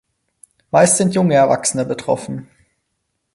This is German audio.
Meist sind junge Erwachsene betroffen.